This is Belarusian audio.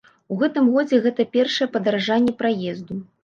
У гэтым годзе гэта першае падаражанне праезду.